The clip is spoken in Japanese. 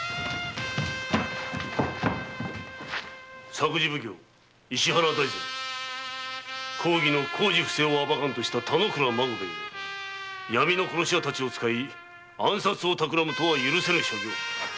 作事奉行・石原大膳公儀工事の不正を暴かんとした田之倉孫兵衛の暗殺をたくらむとは許せぬ所業。